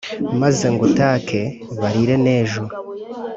Maze ngutake barire n ' ejo,